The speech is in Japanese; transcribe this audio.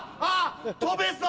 飛べそう！